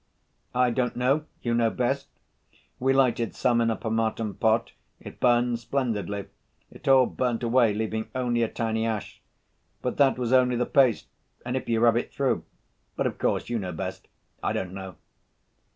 "I don't know, you know best. We lighted some in a pomatum pot, it burned splendidly, it all burnt away leaving only a tiny ash. But that was only the paste, and if you rub it through ... but of course you know best, I don't know....